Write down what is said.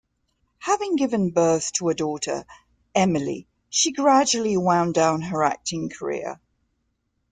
Having given birth to a daughter, Emily, she gradually wound down her acting career.